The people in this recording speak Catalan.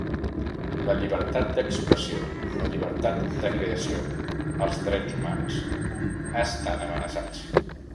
La llibertat d’expressió, la llibertat de creació, els drets humans, estan amenaçats.